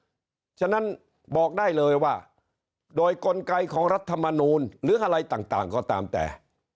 เพราะฉะนั้นบอกได้เลยว่าโดยกลไกของรัฐมนูลหรืออะไรต่างก็ตามแต่